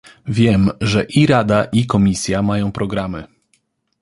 Wiem, że i Rada, i Komisja mają programy